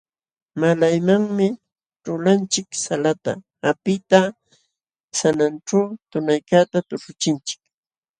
Malaymanmi ćhulanchik salata hapiqta sananćhu tunaykaqta tuśhuchinchik.